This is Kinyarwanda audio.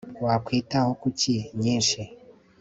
wakwitaho kuki nyinshi